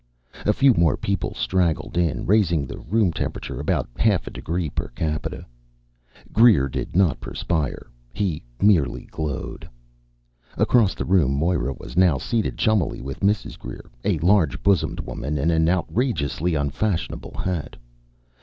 A few more people straggled in, raising the room temperature about half a degree per capita. Greer did not perspire; he merely glowed. Across the room, Moira was now seated chummily with Mrs. Greer, a large bosomed woman in an outrageously unfashionable hat.